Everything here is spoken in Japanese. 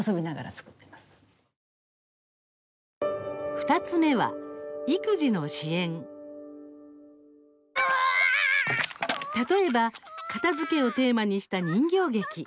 ２つ目は例えば片づけをテーマにした人形劇。